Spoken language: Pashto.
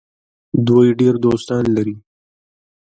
دوی ډیر دوستان لري.